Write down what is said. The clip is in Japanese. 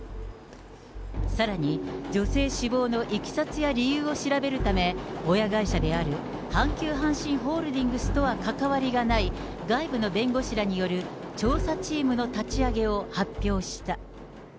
さらに、女性死亡のいきさつや理由を調べるため、親会社である阪急阪神ホールディングスとは関わりがない外部の弁護士らによる調査チームの立ち上げを発表した。